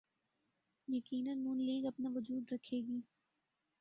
یقینا نون لیگ اپنا وجود رکھے گی۔